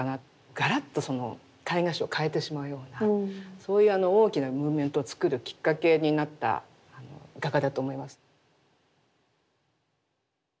ガラッとその絵画史を変えてしまうようなそういう大きなムーブメントをつくるきっかけになった画家だと思いますね。